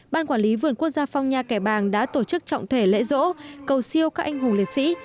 ban quản lý vườn quốc gia phong nha kẻ bàng đã tổ chức trọng thể lễ rỗ cầu siêu các anh hùng liệt sĩ